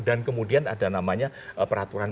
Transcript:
dan kemudian ada namanya peraturan